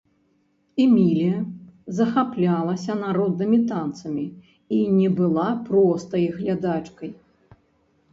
Эмілія захаплялася народнымі танцамі і не была простай глядачкай.